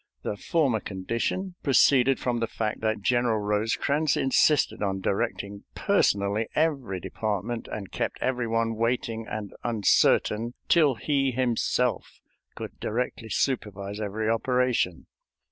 The former condition proceeded from the fact that General Rosecrans insisted on directing personally every department, and kept every one waiting and uncertain till he himself could directly supervise every operation.